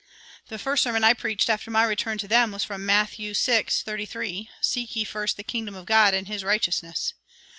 The first sermon I preached after my return to them was from Matthew vi. 33: 'Seek ye first the kingdom of God, and his righteousness.'